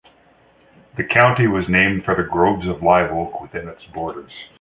The county was named for the groves of live oak within its borders.